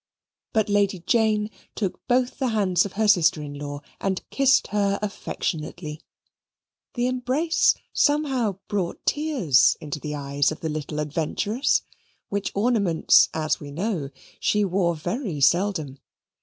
But Lady Jane took both the hands of her sister in law and kissed her affectionately. The embrace somehow brought tears into the eyes of the little adventuress which ornaments, as we know, she wore very seldom.